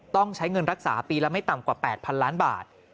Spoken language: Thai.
ต้องใช้เงินรักษาปีละไม่ต่ำกว่า๘๐๐๐ล้านบาท